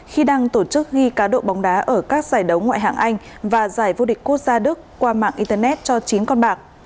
khi đang tổ chức ghi cá độ bóng đá ở các giải đấu ngoại hạng anh và giải vô địch quốc gia đức qua mạng internet cho chín con bạc